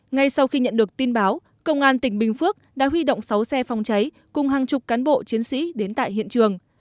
ngay sau khi nhận được tin báo công an tỉnh bình phước đã huy động sáu xe phòng cháy cùng hàng chục cán bộ chiến sĩ đến tại hiện trường